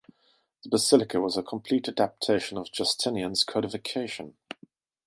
The Basilika was a complete adaptation of Justinian's codification.